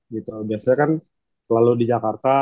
gitu biasanya kan selalu di jakarta